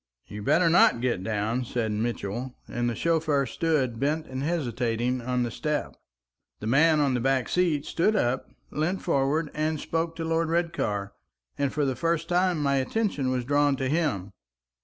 "You'd better not get down," said Mitchell; and the chauffeur stood bent and hesitating on the step. The man on the back seat stood up, leant forward, and spoke to Lord Redcar, and for the first time my attention was drawn to him.